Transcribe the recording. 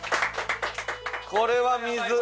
これは水！